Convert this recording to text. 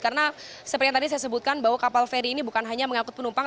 karena seperti yang tadi saya sebutkan bahwa kapal feri ini bukan hanya mengangkut penumpang